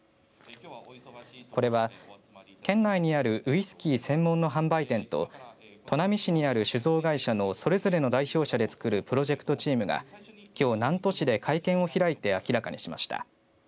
これは県内にあるウイスキー専門の販売店と砺波市にある酒造会社のそれぞれの代表者で作るプロジェクトチームがきょう、南砺市で会見を開いて明らかにしました。